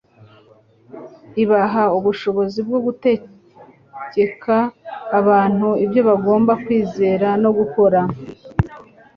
ibaha ubushobozi bwo gutegeka abantu ibyo bagomba kwizera no gukora.